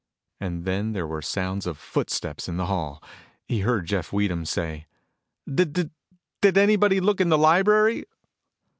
And then there were sounds of footsteps in the hall. He heard Jeff Weedham say: "D d did anybody look in the library?"